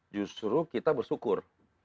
justru kita bersyukur